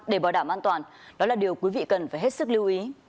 để bảo đảm an toàn đó là điều quý vị cần phải hết sức lưu ý